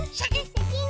シャキン。